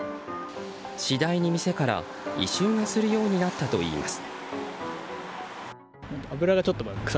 次第に店から、異臭がするようになったといいます。